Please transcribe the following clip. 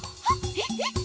えっえっ！？